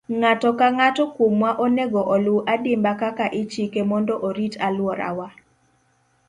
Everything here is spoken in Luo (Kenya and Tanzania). Ng'ato ka ng'ato kuomwa onego oluw adimba kaka ichike mondo orit alworawa.